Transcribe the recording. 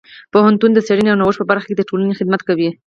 پوهنتون د څیړنې او نوښت په برخه کې د ټولنې خدمت کوي.